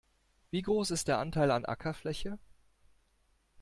Wie groß ist der Anteil an Ackerfläche?